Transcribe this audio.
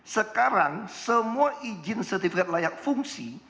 sekarang semua izin sertifikat layak fungsi